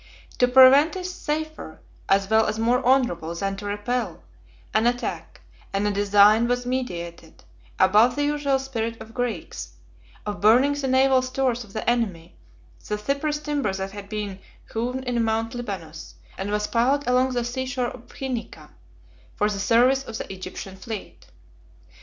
To prevent is safer, as well as more honorable, than to repel, an attack; and a design was meditated, above the usual spirit of the Greeks, of burning the naval stores of the enemy, the cypress timber that had been hewn in Mount Libanus, and was piled along the sea shore of Phoenicia, for the service of the Egyptian fleet.